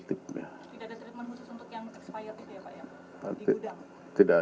tidak ada treatment khusus untuk yang expired itu ya pak ya